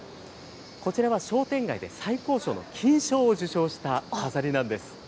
こちらは、商店街で最高賞の金賞を受賞した飾りなんです。